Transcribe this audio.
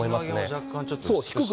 若干低く。